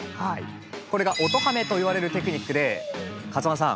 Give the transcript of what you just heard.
これが「音ハメ」といわれるテクニックでＫＡＴＳＵ１さん